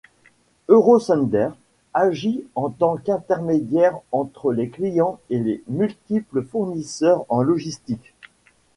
Eurosender agit en tant qu’intermédiaire entre les clients et les multiples fournisseurs en logistique.